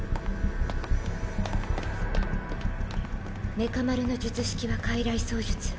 メカ丸の術式は傀儡操術。